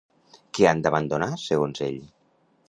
Què han d'abandonar, segons ell?